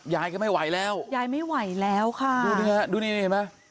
ยายก็ไม่ไหวแล้วยายไม่ไหวแล้วค่ะดูนี่ฮะดูนี่นี่เห็นไหม